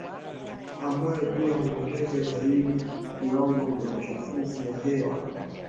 ambayo pia huongeza hata zaidi viwango vya uchafuzi wa hewa